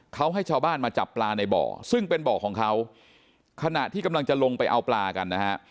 เขาให้ชาวบ้านมาจับปลาในบ่อซึ่งเป็นบ่อของเขาขณะที่กำลังจะลงไปเอาปลากันนะฮะ